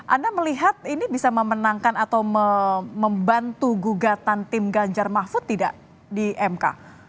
anda melihat ini bisa memenangkan atau membantu gugatan tim ganjar mahfud tidak di mk